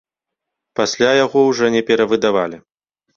Пасля яго ўжо не перавыдавалі.